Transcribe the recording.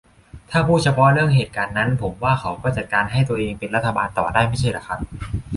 ถ้าพูดเฉพาะเรื่องเหตุการณ์นั้น ผมว่าเขาก็จัดการให้ตัวเองเป็นรัฐบาลต่อได้ไม่ใช่หรือครับ ?